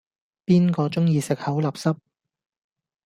邊個鐘意食口立濕